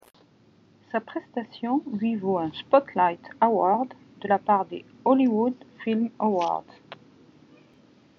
Sa prestation lui vaut un Spotlight Award de la part des Hollywood Film Awards.